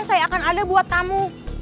saya akan ada buat tamu